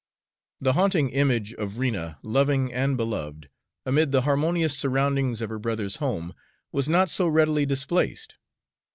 The haunting image of Rena loving and beloved, amid the harmonious surroundings of her brother's home, was not so readily displaced.